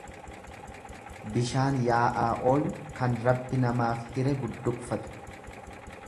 Bishaan yaa'aa oolu kan rabbi namaaf hire budduuqfatu.